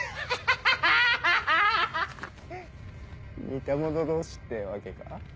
似た者同士ってわけか？